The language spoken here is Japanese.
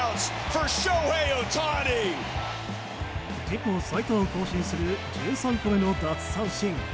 自己最多を更新する１３個目の奪三振。